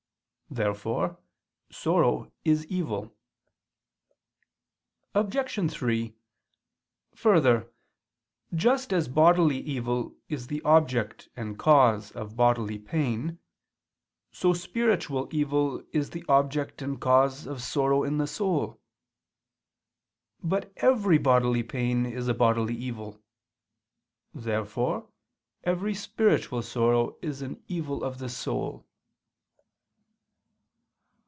Therefore sorrow is evil. Obj. 3: Further, just as bodily evil is the object and cause of bodily pain, so spiritual evil is the object and cause of sorrow in the soul. But every bodily pain is a bodily evil. Therefore every spiritual sorrow is an evil of the soul.